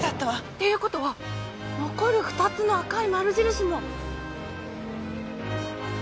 っていう事は残る２つの赤い丸印も。